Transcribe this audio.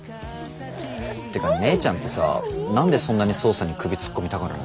てか姉ちゃんってさ何でそんなに捜査に首突っ込みたがるの？